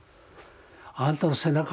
あんたの背中